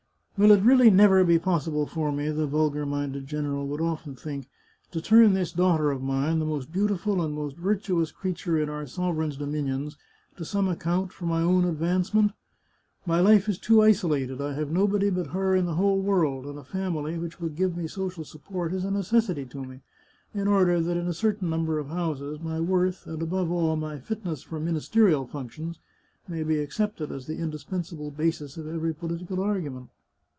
" Will it really never be possible for me," the vulgar minded general would often think, " to turn this daughter of mine, the most beautiful and the most virtuous creature in our sovereign's dominions, to some account for my own advancement? My life is too isolated; I have nobody but her in the whole world, and a family which would give me social support is a necessity to me, in order that in a cer tain number of houses my worth, and, above all, my fitness for ministerial functions, may be accepted as the indispen sable basis of every political argument.